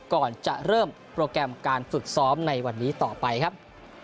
ก่อนจะเริ่มโปรแกรมการฝึกซ้อมในวันนี้ต่อไปครับ